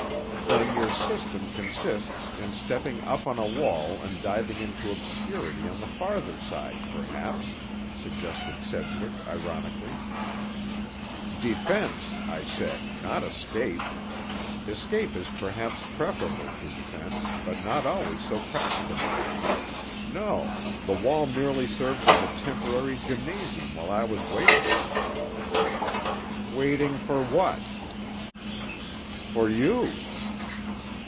"Then your system consists in stepping up on a wall and diving into obscurity on the farther side, perhaps," suggested Sedgwick ironically. "Defense, I said; not escape. Escape is perhaps preferable to defense, but not always so practicable. No; the wall merely served as a temporary gymnasium while I was waiting." "Waiting for what?" "For you."